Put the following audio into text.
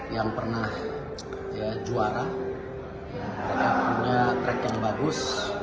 yang pernah juara yang pernah track yang bagus